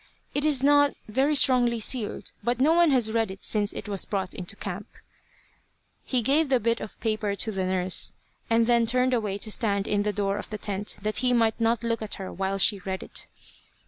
It is not very strongly sealed, but no one has read it since it was brought into camp." He gave the bit of paper to the nurse, and then turned away to stand in the door of the tent, that he might not look at her while she read it.